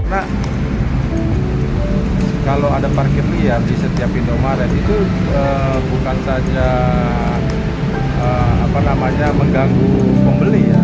karena kalau ada parkir liar di setiap pintu maret itu bukan saja mengganggu pembeli ya